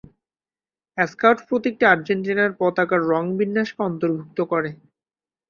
Scout প্রতীকটি আর্জেন্টিনার পতাকার রং বিন্যাসকে অন্তর্ভুক্ত করে।